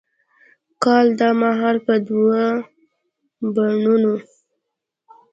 کال دا مهال به دوه بڼوڼه،